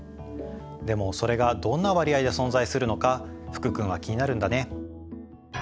でもそれがどんな割合で存在するのか福君は気になるんだね？